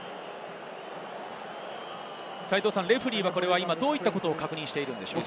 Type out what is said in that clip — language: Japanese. レフェリーはどういったことを確認しているのでしょうか？